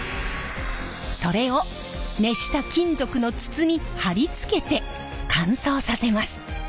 それを熱した金属の筒に張り付けて乾燥させます。